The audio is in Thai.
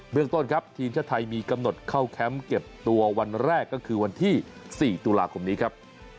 เมืองต้นครับทีมชาติไทยมีกำหนดเข้าแคมป์เก็บตัววันแรกก็คือวันที่๔ตุลาคมนี้ครับ